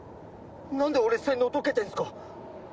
なんで俺洗脳解けてんすか？